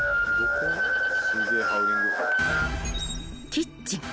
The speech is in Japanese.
［キッチン］